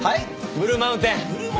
ブルーマウンテン？